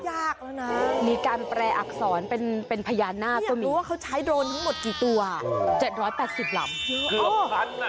ถูกต้องแล้วก็แปลอักษรเป็นรวดลายรูปภาพต่าง